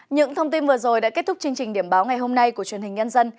những thông tin vừa rồi đã kết thúc chương trình điểm báo ngày hôm nay của truyền hình nhân dân